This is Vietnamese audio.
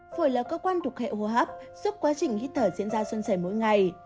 phổi là cơ quan đục hệ hô hấp giúp quá trình hít thở diễn ra xuân sẻ mỗi ngày